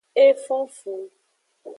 E fon fu.